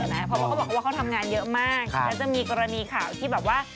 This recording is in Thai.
เพราะว่าเขาบอกว่าเขาทำงานเยอะมากแล้วจะมีกรณีข่าวที่แบบว่า